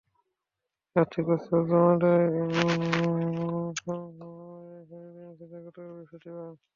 আর্থিক প্রস্তাব জমা দেওয়ার বর্ধিত সময়সীমা অনুযায়ী শেষ দিন ছিল গতকাল বৃহস্পতিবার।